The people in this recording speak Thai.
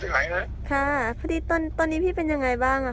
ถึงไหนนะค่ะพอดีตอนตอนนี้พี่เป็นยังไงบ้างอ่ะค่ะ